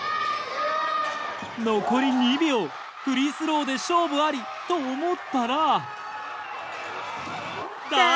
残り２秒フリースローで勝負あり！と思ったら。